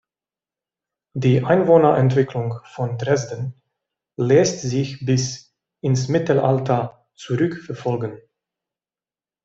Die Einwohnerentwicklung von Dresden lässt sich bis ins Mittelalter zurückverfolgen.